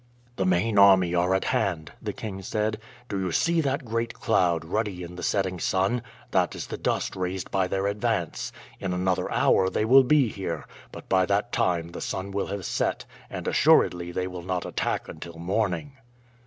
"The main army are at hand," the king said. "Do you see that great cloud, ruddy in the setting sun? That is the dust raised by their advance. In another hour they will be here, but by that time the sun will have set, and assuredly they will not attack until morning."